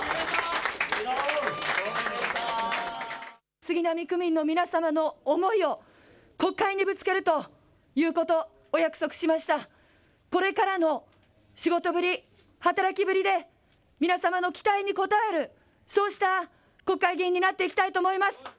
杉並区民の皆さんの思いを国会にぶつけるということ、お約束しまして、これからの仕事ぶり、働きぶりで、皆様の期待に応える、そうした国会議員になっていきたいと思いま